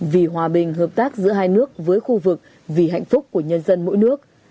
vì hòa bình hợp tác giữa hai nước với khu vực vì hạnh phúc của nhân dân mỗi nước